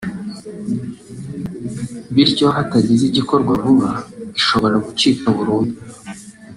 bityo hatagize igikorwa vuba ishobora gucika burundu